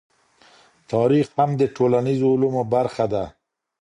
تاريخ هم د ټولنيزو علومو برخه ده.